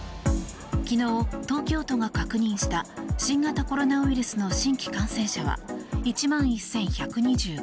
昨日、東京都が確認した新型コロナウイルスの新規感染者は１万１１２５人。